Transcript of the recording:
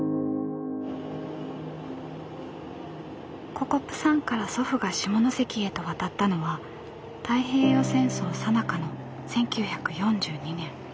ここプサンから祖父が下関へと渡ったのは太平洋戦争さなかの１９４２年。